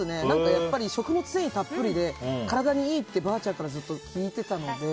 やっぱり食物繊維たっぷりで体にいいって、ばあちゃんからずっと聞いていたので。